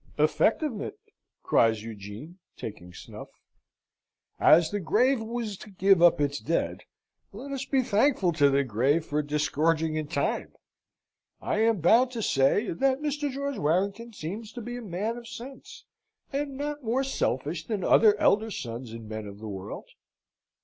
"Effectivement," cries Eugene, taking snuff. "As the grave was to give up its dead, let us be thankful to the grave for disgorging in time! I am bound to say, that Mr. George Warrington seems to be a man of sense, and not more selfish than other elder sons and men of the world.